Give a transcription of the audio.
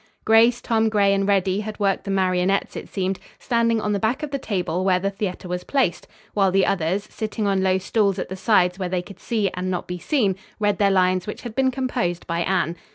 Grace, Tom Gray and Reddy had worked the marionettes, it seemed, standing on the back of the table where the theater was placed, while the others, sitting on low stools at the sides where they could see and not be seen, read their lines which had been composed by Anne.